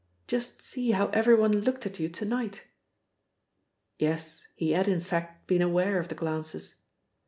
Just see how everyone looked at you to night!" Yes, he had in fact been aware of the glances.